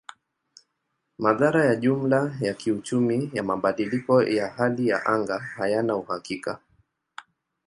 Madhara ya jumla ya kiuchumi ya mabadiliko ya hali ya anga hayana uhakika.